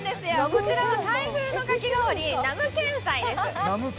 こちらはタイ風のかき氷、ナムケンサイです。